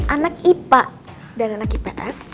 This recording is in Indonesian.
anak ipa dan anak ips